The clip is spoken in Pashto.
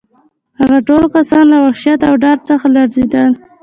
هغه ټول کسان له وحشت او ډار څخه لړزېدل